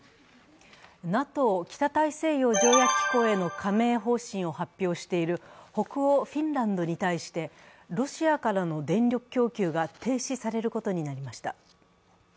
ＮＡＴＯ＝北大西洋条約機構への加盟方針を発表している北欧フィンランドに対して、ロシアからの電力供給が停止されることになりました。